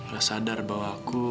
gak sadar bahwa aku